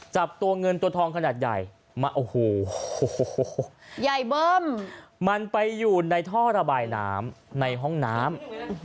จับตัวเงินตัวทองขนาดใหญ่มาโอ้โหใหญ่เบิ้มมันไปอยู่ในท่อระบายน้ำในห้องน้ำ